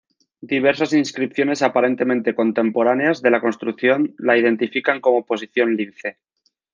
Diversas inscripciones aparentemente contemporáneas de la construcción la identifican como Posición Lince.